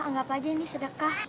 gak apa aja ini sedekah